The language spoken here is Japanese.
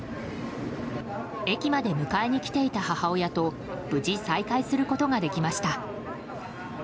駅まで迎えに来ていた母親と無事、再会することができました。